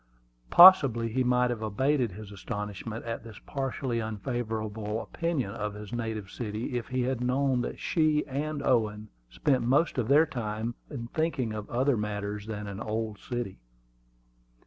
Possibly he might have abated his astonishment at this partially unfavorable opinion of his native city if he had known that she and Owen spent most of their time in thinking of other matters than an old city.